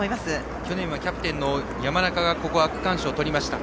去年はキャプテンの山中がここは区間賞をとりました。